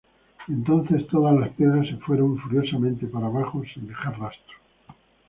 Entonces todas las piedras se fueron furiosamente para abajo sin dejar rastro.